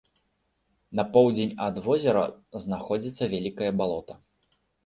На поўдзень ад возера знаходзіцца вялікае балота.